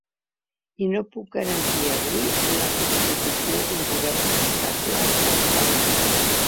I no puc garantir avui la constitució d’un govern estable a Espanya.